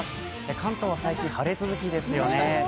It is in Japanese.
関東は最近晴れ続きですよね。